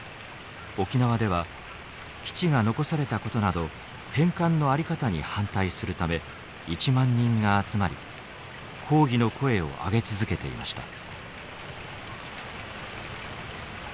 沖縄では基地が残されたことなど返還の在り方に反対するため１万人が集まり抗議の声を上げ続けていました。